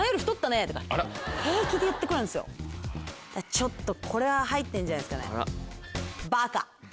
ちょっとこれは入ってんじゃないですかね。